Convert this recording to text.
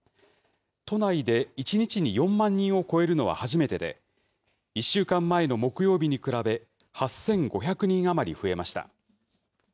都内で１日に４万人を超えるのは初めてで、１週間前の木曜日に比べ、８５００人余り増えました。